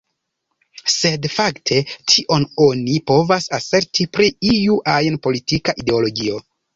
Sed fakte, tion oni povas aserti pri iu ajn politika ideologio.